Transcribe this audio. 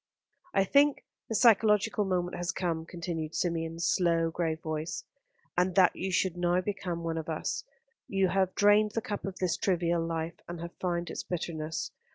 "I think the psychological moment has come," continued Symeon's slow, grave voice, "and that you should now become one of us. You have drained the cup of this trivial life, and have found its bitterness.